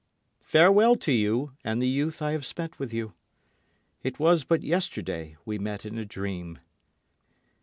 Farewell to you and the youth I have spent with you. It was but yesterday we met in a dream.